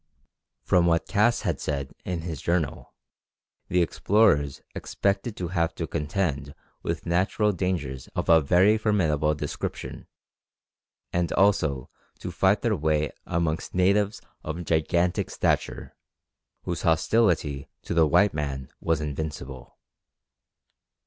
From what Cass had said in his journal, the explorers expected to have to contend with natural dangers of a very formidable description, and also to fight their way amongst natives of gigantic stature, whose hostility to the white man was invincible.